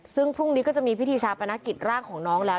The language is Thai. ซึ่งพรุ่งนี้ก็จะมีพิธีชาปนกิจร่างของน้องแล้ว